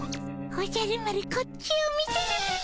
おじゃる丸こっちを見てるっピ。